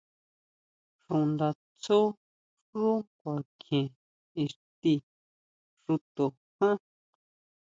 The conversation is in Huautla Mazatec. Xúʼndatsú xú kuakjien ixti xúto ján.